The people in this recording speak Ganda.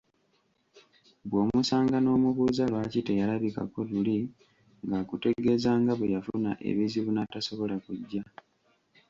Bw'omusanga n'omubuuza lwaki teyalabikako luli ng'akutegeezanga bweyafuna ebizibu natasobola kujja.